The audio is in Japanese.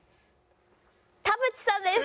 田渕さんです！